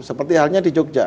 seperti halnya di jogja